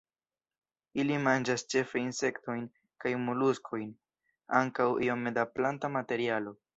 Ili manĝas ĉefe insektojn kaj moluskojn, ankaŭ iome da planta materialo.